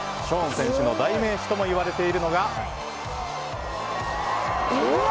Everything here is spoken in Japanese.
ショーン選手の代名詞ともいわれているのが。